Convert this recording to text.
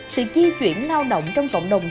sự di chuyển lao động trong cộng đồng